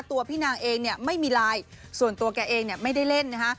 ตัวพี่นางเองเนี่ยไม่มีไลน์ส่วนตัวแกเองเนี่ยไม่ได้เล่นนะฮะ